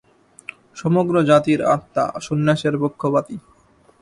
সমগ্র জাতির আত্মা সন্ন্যাসের পক্ষপাতী।